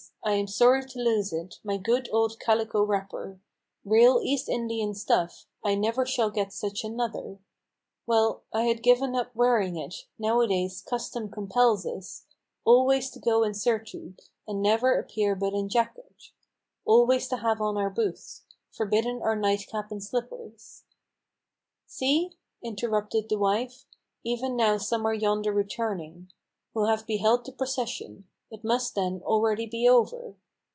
I am sorry to lose it, my good old calico wrapper, Real East Indian stuff: I never shall get such another. Well, I had given up wearing it: nowadays, custom compels us Always to go in surtout, and never appear but in jacket; Always to have on our boots; forbidden are night cap and slippers." "See!" interrupted the wife; "even now some are yonder returning, Who have beheld the procession: it must, then, already be over.